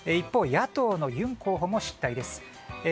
一方、野党のユン候補も失態です。